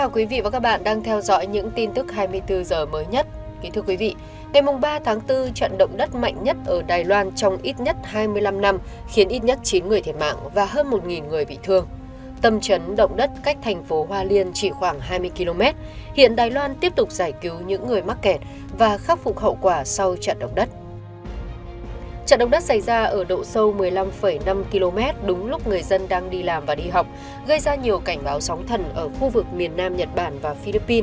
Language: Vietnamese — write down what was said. các bạn hãy đăng ký kênh để ủng hộ kênh của chúng mình nhé